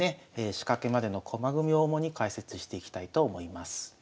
仕掛けまでの駒組みを主に解説していきたいと思います。